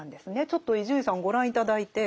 ちょっと伊集院さんご覧頂いて。